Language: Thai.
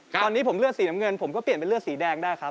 ตอนนี้ผมเลือดสีน้ำเงินผมก็เปลี่ยนเป็นเลือดสีแดงได้ครับ